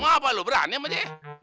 mau apa lu berani sama dia ya